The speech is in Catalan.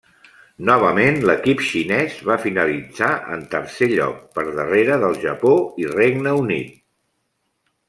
Novament, l'equip xinès va finalitzar en tercer lloc, per darrere del Japó i Regne Unit.